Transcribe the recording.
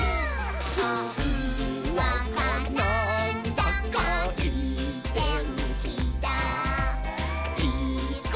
「ほんわかなんだかいいてんきだいいことありそうだ！」